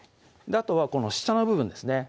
あとはこの下の部分ですね